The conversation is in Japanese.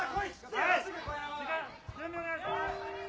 時間準備お願いします！